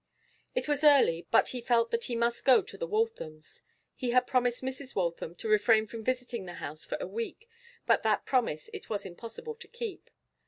It was early, but he felt that he must go to the Walthams'. He had promised Mrs. Waltham to refrain from visiting the house for a week, but that promise it was impossible to keep.